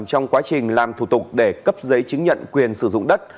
trong quá trình làm thủ tục để cấp giấy chứng nhận quyền sử dụng đất